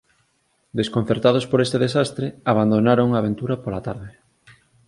Desconcertados por este desastre, abandonaron a aventura pola tarde.